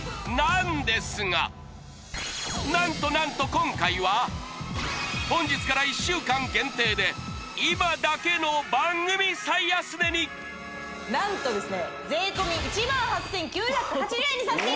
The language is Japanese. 今回は本日から１週間限定で今だけの番組最安値に何とですね